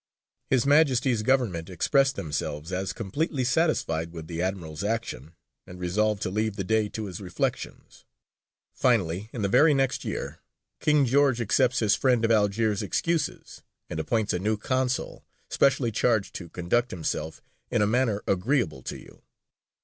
His Majesty's Government expressed themselves as completely satisfied with the admiral's action, and resolved to leave the Dey to his reflections. Finally, in the very next year, King George accepts his friend of Algiers' excuses, and appoints a new consul, specially charged "to conduct himself in a manner agreeable to you."